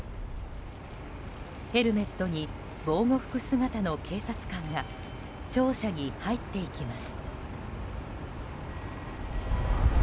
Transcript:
ヘルメットに防護服姿の警察官が庁舎に入っていきます。